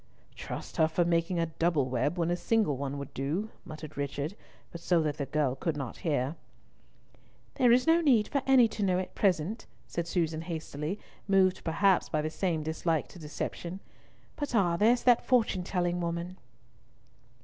"Trust her for making a double web when a single one would do," muttered Richard, but so that the girl could not hear. "There is no need for any to know at present," said Susan hastily, moved perhaps by the same dislike to deception; "but ah, there's that fortune telling woman."